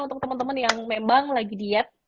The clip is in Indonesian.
untuk teman teman yang memang lagi diet